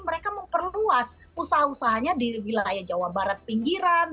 mereka memperluas usaha usahanya di wilayah jawa barat pinggiran